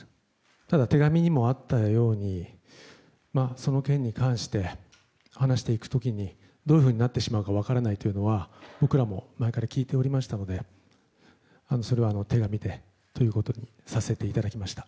ただ、手紙にもあったようにその件に関して話していく時にどういうふうになってしまうか分からないというのは僕らも前から聞いておりましたのでそれは手紙でということにさせていただきました。